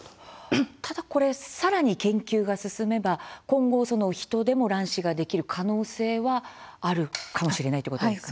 ただ、これさらに研究が進めば今後ヒトでも卵子ができるようになる可能性はあるかもしれないということですよね。